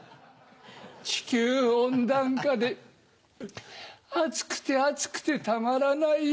地球温暖化で暑くて暑くてたまらないよ。